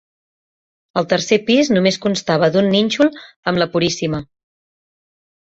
El tercer pis només constava d'un nínxol amb la Puríssima.